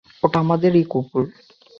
ওটা আমাদেরই কুকুর!